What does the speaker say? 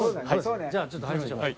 じゃあちょっと入りましょう。